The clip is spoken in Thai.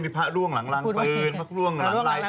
พระร่วงหลังล้างปืนพระร่วงหลังลาย